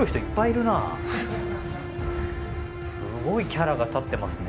すごいキャラが立ってますね。